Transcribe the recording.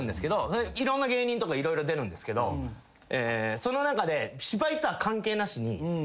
いろんな芸人とか色々出るんですけどその中で芝居とは関係なしに。